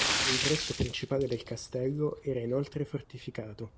L'ingresso principale del castello era inoltre fortificato.